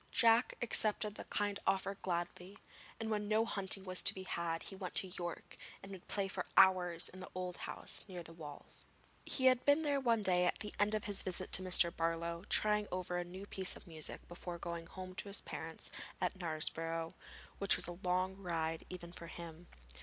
Jack accepted the kind offer gladly, and when no hunting was to be had he went to York, and would play for hours in the old house near the walls. [Illustration: BLIND JACK PLAYS HIS FIDDLE AT THE ASSEMBLY BALLS.] He had been there one day at the end of his visit to Mr. Barlow, trying over a new piece of music before going home to his parents at Knaresborough, which was a long ride even for him.